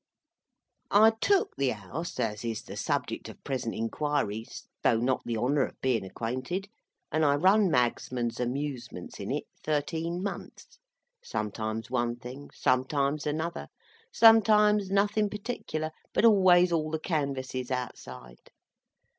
I took the House as is the subject of present inquiries—though not the honour of bein acquainted—and I run Magsman's Amusements in it thirteen months—sometimes one thing, sometimes another, sometimes nothin particular, but always all the canvasses outside.